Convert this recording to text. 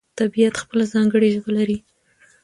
طبیعت خپله ځانګړې ژبه لري.